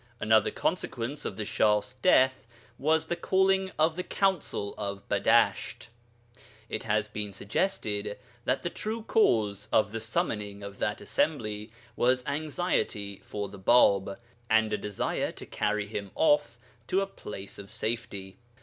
Another consequence of the Shah's death was the calling of the Council of Badasht. It has been suggested that the true cause of the summoning of that assembly was anxiety for the Bāb, and a desire to carry him off to a place of safety.